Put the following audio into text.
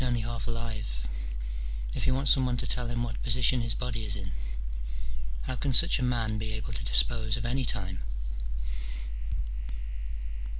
307 only half alive, if he wants some one to tell him what position his body is in. How can snch a man be able to dispose of any time